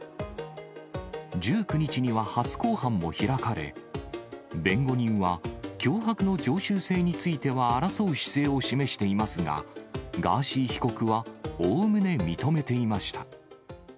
１９日には初公判も開かれ、弁護人は脅迫の常習性については争う姿勢を示していますが、ガーシー被告は、おおむね認めていました。